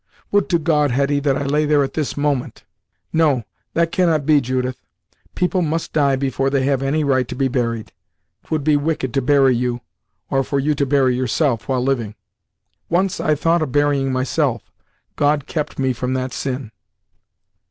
"Would to God, Hetty, that I lay there at this moment!" "No, that cannot be, Judith; people must die before they have any right to be buried. 'Twould be wicked to bury you, or for you to bury yourself, while living. Once I thought of burying myself; God kept me from that sin."